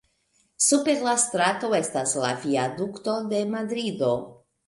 Super la strato estas la Viadukto de Madrido.